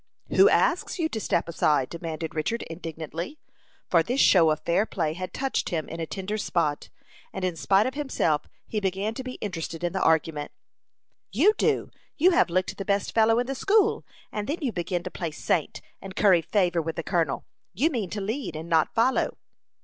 "Who asks you to step aside?" demanded Richard, indignantly, for this show of fair play had touched him in a tender spot, and in spite of himself he began to be interested in the argument. "You do; you have licked the best fellow in the school, and then you begin to play saint, and curry favor with the colonel. You mean to lead, and not follow."